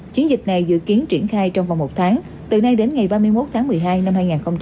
chiến dịch này dự kiến triển khai trong vòng một tháng từ nay đến ngày ba mươi một tháng một mươi hai năm hai nghìn hai mươi